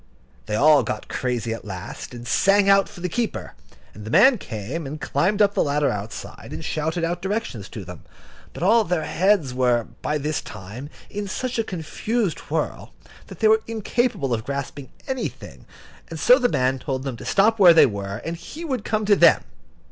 They all got crazy at last, and sang out for the keeper, and the man came and climbed up the ladder outside, and shouted out directions to them. But all their heads were, by this time, in such a confused whirl that they were incapable of grasping anything, and so the man told them to stop where they were, and he would come to them.